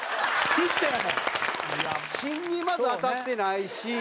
芯にまず当たってないし。